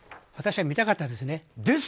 私は見たかったですね。